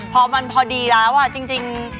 พอมันพอดีแล้วจริง